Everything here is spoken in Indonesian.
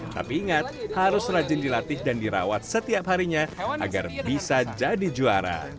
tapi ingat harus rajin dilatih dan dirawat setiap harinya agar bisa jadi juara